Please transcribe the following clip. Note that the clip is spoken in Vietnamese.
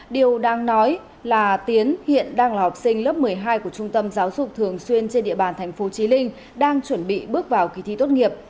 điều đang nói là tiến hiện đang là học sinh lớp một mươi hai của trung tâm giáo dục thường xuyên trên địa bàn thành phố trí linh đang chuẩn bị bước vào kỳ thi tốt nghiệp